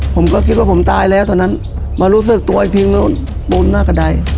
ผมก็คิดว่าผมตายแล้วตอนนั้นมารู้สึกตัวอีกทีนู้นบนหน้ากระดาย